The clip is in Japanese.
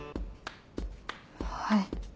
はい。